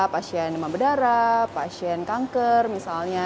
pasien demam berdarah pasien kanker misalnya